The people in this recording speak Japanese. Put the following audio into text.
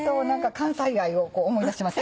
関西愛を思い出しません？